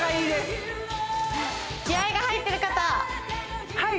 気合いが入ってる方はい！